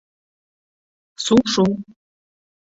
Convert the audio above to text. - Сушу.